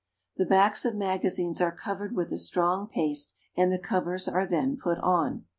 The backs of magazines are covered with a strong paste, and the covers are then put on.